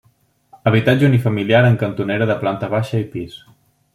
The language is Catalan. Habitatge unifamiliar en cantonera de planta baixa i pis.